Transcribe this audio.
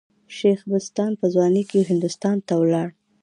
شېخ بستان په ځوانۍ کښي هندوستان ته ولاړ.